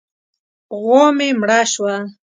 غوا مې مړه شوه.